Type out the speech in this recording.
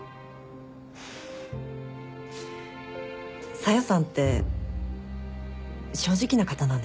小夜さんって正直な方なんですね。